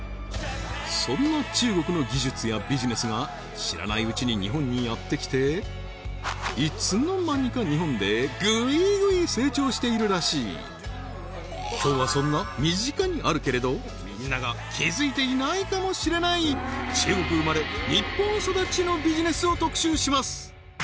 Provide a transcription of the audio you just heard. そんな中国の技術やビジネスが知らないうちに日本にやってきていつの間にか日本でグイグイ成長しているらしい今日はそんな身近にあるけれどみんなが気づいていないかもしれない中国生まれ日本育ちのビジネスを特集します